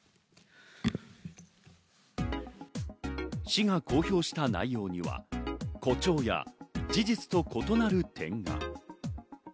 市が公表した内容には、誇張や事実と異なる点が。